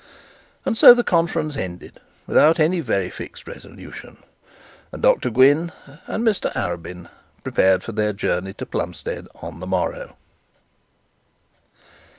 And so the conference ended without any very fixed resolution, and Dr Gwynne and Mr Arabin prepared for their journey to Plumstead on the morrow.